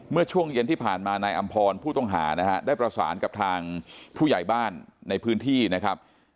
เมื่อช่วงเย็นที่ผ่านมานายอำพรผู้ต้องหานะฮะได้ประสานกับทางผู้ใหญ่บ้านในพื้นที่นะครับ